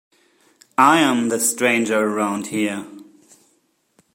I'm the stranger around here.